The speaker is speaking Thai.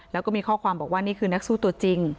แล้วก็มีข้อความบอกว่านี่คือนักสู้ตัวจริง